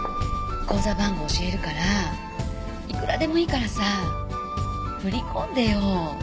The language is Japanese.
口座番号教えるからいくらでもいいからさ振り込んでよ。